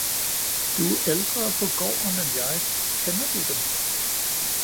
du er ældre på gården end jeg, kender du dem?